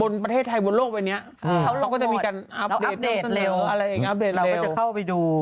เป็นประเทศไทยบนโลกไว้เนี่ยเขาก็จะมีการอัพเดทเร็วเราก็จะเข้าไปดู